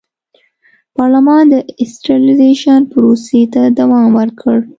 پارلمان سنټرالیزېشن پروسې ته دوام ورکړ.